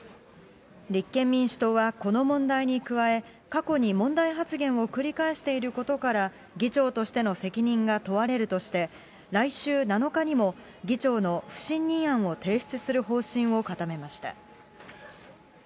立憲民主党は、この問題に加え、過去に問題発言を繰り返していることから、議長としての責任が問われるとして、来週７日にも議長の不信任案を提出する方針を固めました。